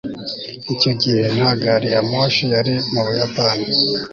icyo gihe nta gari ya moshi yari mu buyapani